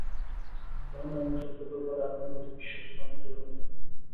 কেননা এমন শব্দ ব্যবহারে আপনার প্রতি বিশ্বস্ততা অনেকটাই কমে যেতে পারে।